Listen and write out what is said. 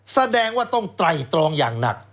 แสดงว่าต้องไตรตรองอย่างหนัก